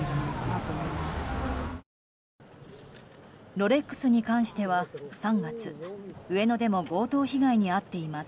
ロレックスに関しては３月、上野でも強盗被害に遭っています。